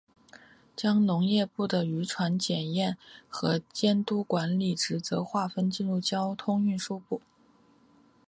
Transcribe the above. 将农业部的渔船检验和监督管理职责划入交通运输部。